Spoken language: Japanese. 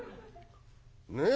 ねえ？